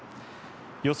予想